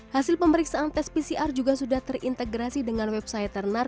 hasil pemeriksaan tes pcr juga sudah terintegrasi dengan website ternar